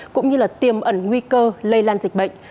cũng như tiêm ẩn nguy cơ lây lan dịch bệnh